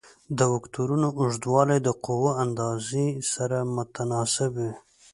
د وکتورونو اوږدوالی د قوو اندازې سره متناسب وي.